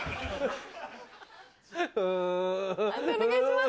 判定お願いします。